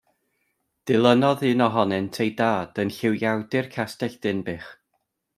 Dilynodd un ohonynt ei dad yn llywiawdwr Castell Dinbych.